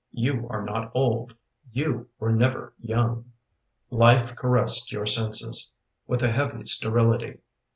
You are not old: you were never young. life caressed your senses With a heavy sterility.